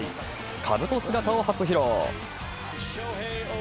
かぶと姿を初披露。